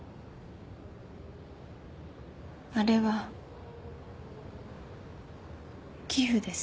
あれは寄付です。